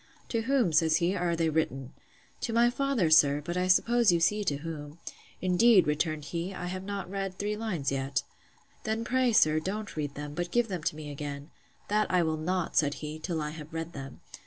To whom, says he, are they written?—To my father, sir; but I suppose you see to whom.—Indeed, returned he, I have not read three lines yet. Then, pray, sir, don't read them; but give them to me again. That I will not, said he, till I have read them.